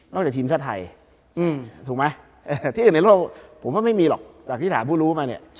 จากทีมชาติไทยถูกไหมที่อื่นในโลกผมว่าไม่มีหรอกจากที่ถามผู้รู้มาเนี่ย